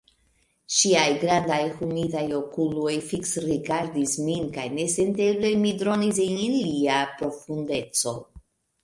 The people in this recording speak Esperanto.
Ŝiaj grandaj humidaj okuloj fiksrigardis min kaj nesenteble mi dronis en ilia profundeco.